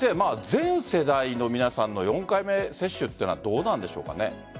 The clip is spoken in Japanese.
全世代の皆さんの４回目接種というのはどうなんでしょうか？